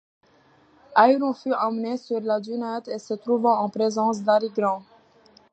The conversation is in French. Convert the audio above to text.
Ayrton fut amené sur la dunette et se trouva en présence d’Harry Grant.